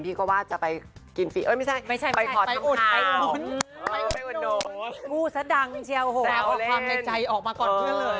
ทีกระวัตรจะไปกินร้าน